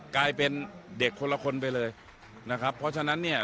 กลายเป็นเด็กคนละคนไปเลยนะครับเพราะฉะนั้นเนี่ย